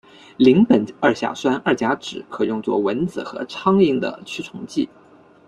邻苯二甲酸二甲酯可用作蚊子和苍蝇的驱虫剂。